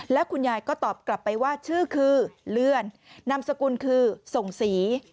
แล้วคุณยายก็ตอบกลับไปว่าชื่อคือเลื่อนนามสกุลคือส่งสี